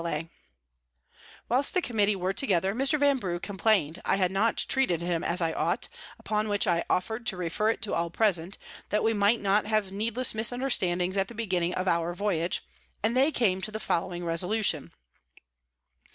William Bath, Whilst the Committee were together, Mr. Vanbrugh complain'd I had not treated him as I ought: upon which I offer'd to refer it to all present, that we might not have needless Misunderstandings at the beginning of our Voyage; and they came to the following Resolution.